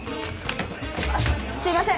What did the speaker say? すいません！